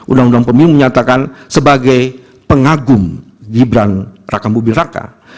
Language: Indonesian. undang undang pemilu menyatakan sebagai pengagum gibran raka bumi raka